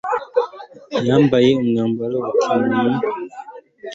yambaye umwambaro wa kimuntu